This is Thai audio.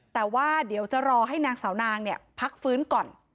แต่ว่าเดี๋ยวจะรอให้นางสาวนางพักฟื้นก่อน